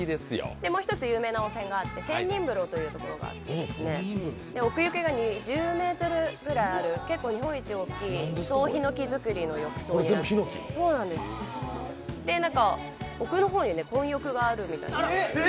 もう一つ有名な温泉があって千人風呂というところがあって奥行きが２０ｍぐらいある日本一大きい総ひのき造りの浴槽で奥の方に混浴があるみたいです。